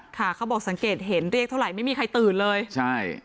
เขาบอกสังเกตเห็นเรียกเท่าไหร่ไม่มีใครตื่นเลยใช่